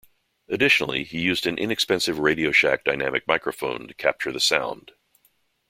Additionally he used an inexpensive Radioshack dynamic microphone to capture the sound.